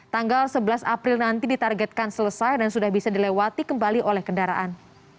tanggal sebelas april nanti ditargetkan selesai dan sudah bisa dilewati kembali oleh kendaraan